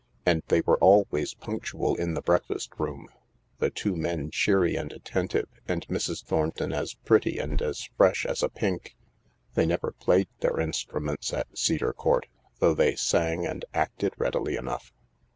And they were always punctual in the breakfast room — the two men cheery and attentive and Mrs. Thornton as pretty and as fresh as a pink. They never played their instruments at Cedar Court, though they sang and acted readily enough.